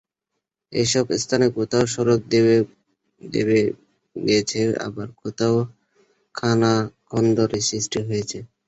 এসব স্থানে কোথাও সড়ক দেবে গেছে, আবার কোথাও খানাখন্দের সৃষ্টি হয়েছে।